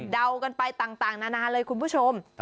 เดากันไปต่างนานาเลยคุณผู้ชม